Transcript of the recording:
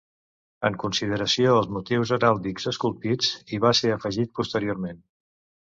En consideració als motius heràldics esculpits, hi va ser afegit posteriorment.